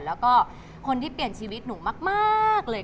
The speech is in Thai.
แล้วก็คนที่เปลี่ยนชีวิตหนูมากเลย